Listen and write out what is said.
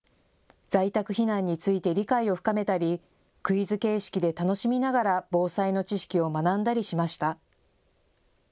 在宅避難について理解を深めたりクイズ形式で楽しみながら防災の知識を学んだりしました。